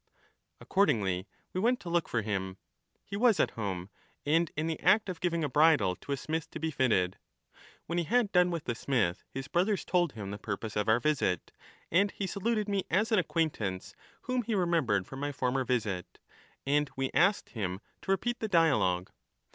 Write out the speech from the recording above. Accordingly we went to look for him ; he was at home, and 127 in the act of giving a bridle to a smith to be fitted. When he had done with the smith, his brothers told him the purpose of our visit ; and he saluted me as an acquaintance whom he re membered from my former visit, and we asked him to repeat the dialogue.